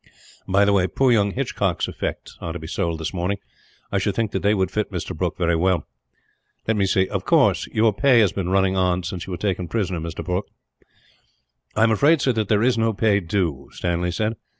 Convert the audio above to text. "By the way, poor young Hitchcock's effects are to be sold this morning. I should think that they would fit Mr. Brooke very well. "Let me see. Of course, your pay has been running on, since you were taken prisoner, Mr. Brooke." "I am afraid, sir, that there is no pay due," Stanley said.